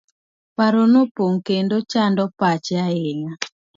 Paro nopong'o kendo chando pache ahinya.